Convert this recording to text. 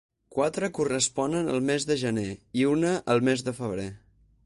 Quatre corresponen al mes de gener i una al mes de febrer.